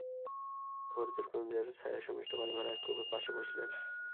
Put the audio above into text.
খর্জুর কুঞ্জের ছায়ায় সুমিষ্ট পানি ভরা এক কুপের পাশে বসলেন।